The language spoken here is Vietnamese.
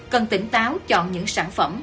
cần tỉnh táo chọn những sản phẩm